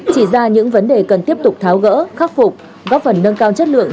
chỉ ra những vấn đề cần tiếp tục tháo gỡ khắc phục góp phần nâng cao chất lượng